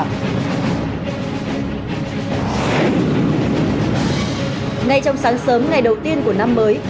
ngay trong sáng sớm ngày đầu tiên của năm mới